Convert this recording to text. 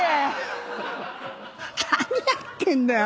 何やってんだよ。